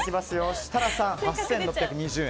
設楽さん、８６２０円。